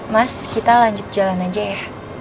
mas kita lanjut jalan aja ya